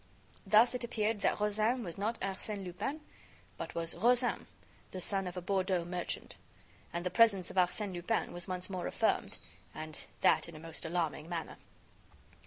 Thus it appeared that Rozaine was not Arsène Lupin; but was Rozaine, the son of a Bordeaux merchant. And the presence of Arsène Lupin was once more affirmed, and that in a most alarming manner.